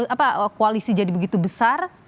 kenapa koalisi kalian menjadi begitu besar